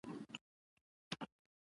دا په چا باندي اختر دی خداي خبر دی